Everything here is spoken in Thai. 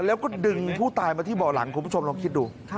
แล้วก็ดึงผู้ตายมาที่เบาะหลังคุณผู้ชมลองคิดดู